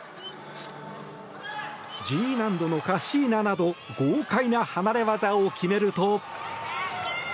Ｇ難度のカッシーナなど豪快な離れ技を決めると。